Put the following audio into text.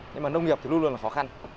nhưng mà nông nghiệp thì luôn luôn là khó khăn